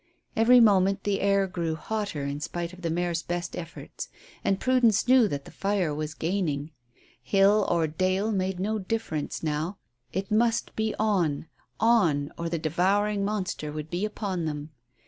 Every moment the air grew hotter in spite of the mare's best efforts, and Prudence knew that the fire was gaining. Hill or dale made no difference now. It must be on on, or the devouring monster would be upon them.